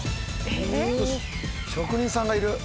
「えっ⁉」「職人さんがいる」